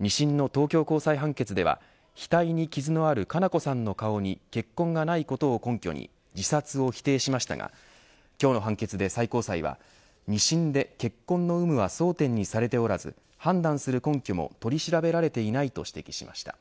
二審の東京高裁判決では額に傷のある佳菜子さんの顔に血痕がないことを根拠に自殺を否定しましたが今日の判決で最高裁は二審で血痕の有無は争点にされておらず判断する根拠も取り調べられていないと指摘しました。